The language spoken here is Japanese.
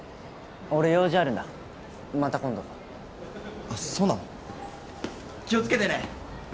俺用事あるんだまた今度あっそうなの気をつけてね